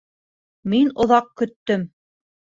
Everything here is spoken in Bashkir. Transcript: Мин оҙаҡ көттөм.